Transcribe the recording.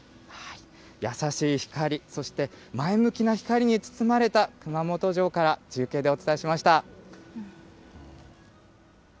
優しい光、そして、前向きな光に包まれた熊本城から中継でお伝えしました。